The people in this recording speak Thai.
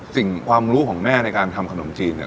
สิ่งความรู้ของแม่ในการทำขนมจีนเนี่ย